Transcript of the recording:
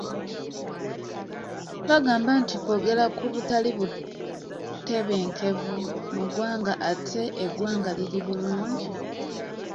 Bagamba nti kwogera ku butali butebenkevu muggwanga ate eggwanga liri bulungi.